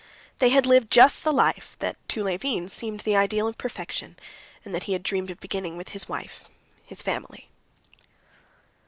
They had lived just the life that to Levin seemed the ideal of perfection, and that he had dreamed of beginning with his wife, his family.